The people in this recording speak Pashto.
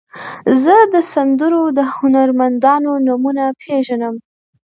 زه د سندرو د هنرمندانو نومونه پیژنم.